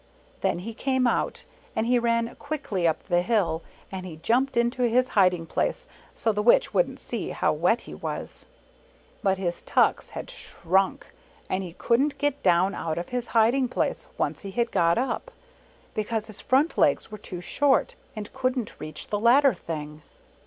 Then he came out, and he ran quickly up the hill, and he jumped into his hiding place so the Witch wouldn't see how wet he was. But his tucks had shrunk, and he couldn't get down out of his hiding place, once he had got up, because his front legs were too short, and wouldn't reach the ladder thing.